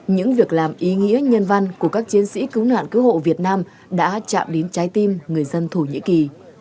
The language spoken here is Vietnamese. những việc làm ý nghĩa nhân văn của các chiến sĩ cứu nạn cứu hộ việt nam đã chạm đến trái tim người dân thổ nhĩ kỳ